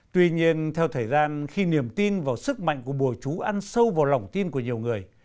tuy nhiên theo thời gian khi niềm tin vào sức mạnh của bùa chú ăn sâu vào lòng tin của nhiều người